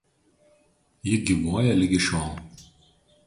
Ji gyvuoja ligi šiol.